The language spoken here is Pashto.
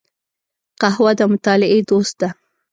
قهوه د مطالعې دوست ده